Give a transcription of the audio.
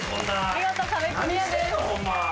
見事壁クリアです。